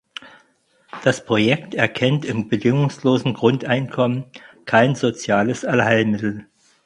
Das Projekt erkennt im bedingungslosen Grundeinkommen kein soziales Allheilmittel.